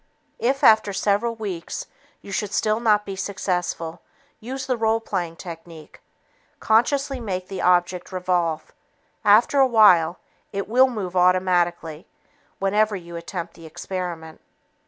If, after several weeks, you should still not be successful, use the role playing technique. Consciously make the object revolve. After a while, it will move automatically whenever you attempt the experiment.